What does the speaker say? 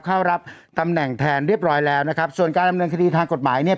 เข้ารับตำแหน่งแทนเรียบร้อยแล้วนะครับส่วนการดำเนินคดีทางกฎหมายเนี่ย